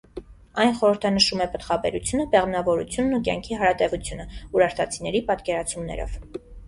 Այն խորհրդանշում է պտղաբերությունը, բեղմնավորությունն ու կյանքի հարատևությունը՝ ուրարտացիների պատկերացումներով։